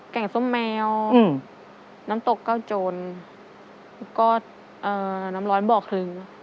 แก่งส้มแมวอืมน้ำตกเก้าโจรก็เอ่อน้ำร้อนบ่อคลึง